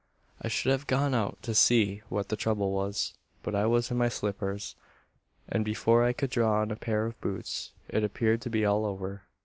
"I should have gone out to see what the trouble was; but I was in my slippers; and before I could draw on a pair of boots, it appeared to be all over.